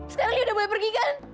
sekarang lia udah boleh pergi kan